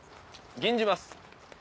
吟じます！